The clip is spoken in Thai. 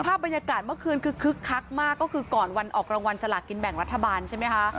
ภาพบรรยากาศเมื่อคืนคือคึกคักมากก็คือก่อนวันออกรางวัลสลากินแบ่งรัฐบาลใช่ไหมคะ